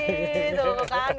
itu bukan gampang